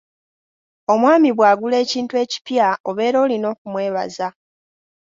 Omwami bw'agula ekintu ekipya obeera olina okumwebaza.